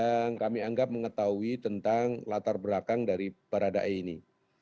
yang kami anggap memiliki informasi tentang latar belakang dari barada e ini